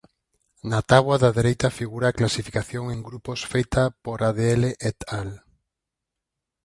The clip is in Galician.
Na táboa da dereita figura a clasificación en grupos feita por Adl et al.